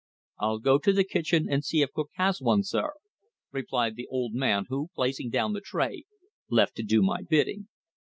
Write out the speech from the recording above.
"I'll go to the kitchen and see if cook has one, sir," replied the old man, who, placing down the tray, left to do my bidding.